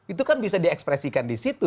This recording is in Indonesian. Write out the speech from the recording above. itu kan bisa diekspresikan di situ